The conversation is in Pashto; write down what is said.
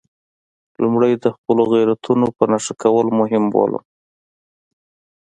لومړی د خپلو غیرتونو په نښه کول مهم بولم.